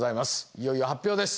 いよいよ発表です。